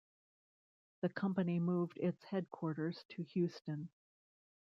The company moved its headquarters to Houston.